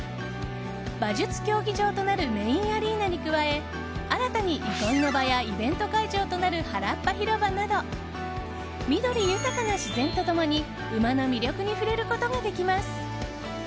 馬術競技場となるメインアリーナに加え新たに、憩いの場やイベント会場となるはらっぱ広場など緑豊かな自然と共に馬の魅力に触れることができます。